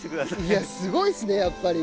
いやすごいですねやっぱり。